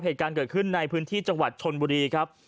เหตุการณ์เกิดขึ้นในพื้นที่จังหวัดชนบุรีครับ